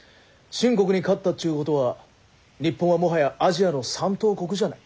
清国に勝ったっちゅうことは日本はもはやアジアの三等国じゃあない。